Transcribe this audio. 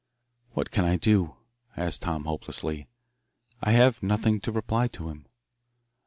"What can I do?" asked Tom hopelessly. "I have nothing to reply to him."